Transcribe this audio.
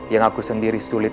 yang aku sendiri sulit